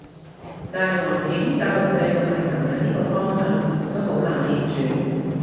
大環境教育制度係行緊呢個方向，都好難逆轉